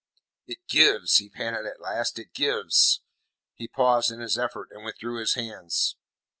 "It gives," he panted at last. "It gives." He paused in his efforts, and withdrew his hands.